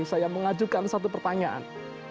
saya mengajukan satu pertanyaan